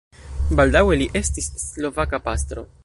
Baldaŭe li estis slovaka pastro.